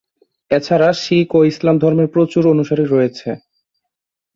এছাড়া শিখ ও ইসলাম ধর্মের প্রচুর অনুসারী রয়েছে।